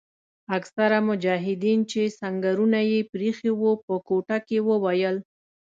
اکثره مجاهدین چې سنګرونه یې پریښي وو په کوټه کې وویل.